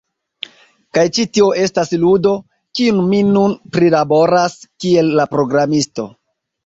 Kaj ĉi tio estas ludo, kiun mi nun prilaboras kiel la programisto.